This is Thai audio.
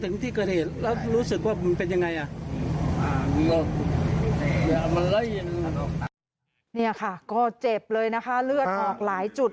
นี่ค่ะก็เจ็บเลยนะคะเลือดออกหลายจุด